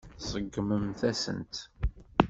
Tseggmemt-asen-tt.